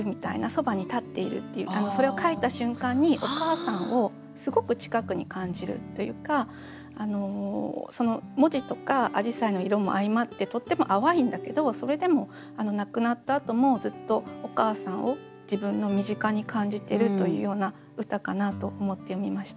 そばにたっているっていうそれを書いた瞬間にお母さんをすごく近くに感じるというか文字とかあじさいの色も相まってとっても淡いんだけどそれでも亡くなったあともずっとお母さんを自分の身近に感じてるというような歌かなと思って読みました。